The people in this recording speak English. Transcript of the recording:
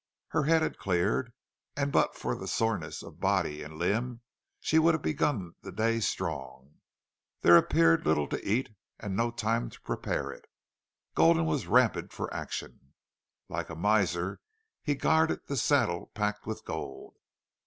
Her head had cleared, and but for the soreness of body and limb she would have begun the day strong. There appeared little to eat and no time to prepare it. Gulden was rampant for action. Like a miser he guarded the saddle packed with gold.